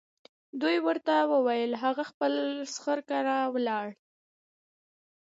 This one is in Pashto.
دوی ورته وویل هغه د خپل خسر کره ولاړ.